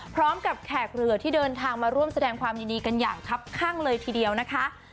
แขกเรือที่เดินทางมาร่วมแสดงความยินดีกันอย่างคับข้างเลยทีเดียวนะคะ